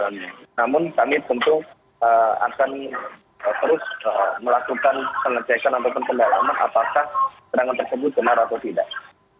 namun kami tentu akan terus melakukan pengecekan ataupun pendalaman apakah serangan tersebut benar atau tidak